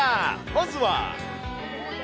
まずは。